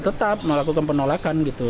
tetap melakukan penolakan gitu